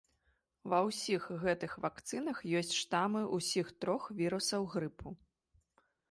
Ва ўсіх гэтых вакцынах ёсць штамы ўсіх трох вірусаў грыпу.